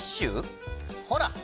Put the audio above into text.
ほら！